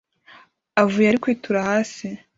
avuye ari Kwitura hasi